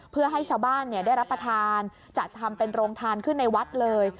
เพื่อให้ชาวบ้านได้รับประทานจัดทำเป็นโรงทานขึ้นในวัดเลย